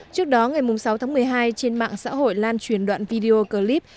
trước đó ngày sáu tháng một mươi hai trên mạng xã hội lan truyền đoạn video clip